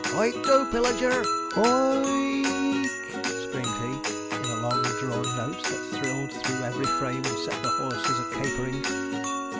'Hoick to, Pillager! H o o ick!' screamed he, in a long drawn note, that thrilled through every frame, and set the horses a capering.